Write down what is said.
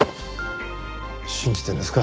信じてるんですか？